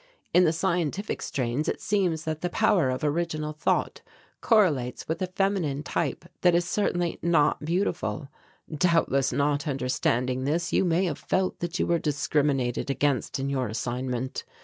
In the scientific strains it seems that the power of original thought correlates with a feminine type that is certainly not beautiful. Doubtless not understanding this you may have felt that you were discriminated against in your assignment.